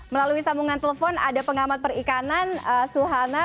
melalui sambungan telepon ada pengamat perikanan suhana